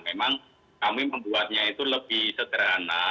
memang kami membuatnya itu lebih sederhana